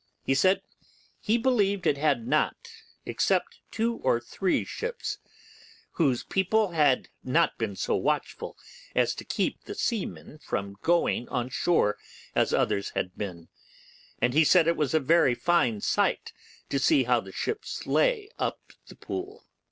He said he believed it had not, except two or three ships whose people had not been so watchful to keep the seamen from going on shore as others had been, and he said it was a very fine sight to see how the ships lay up the Pool.